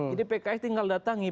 jadi pks tinggal datangin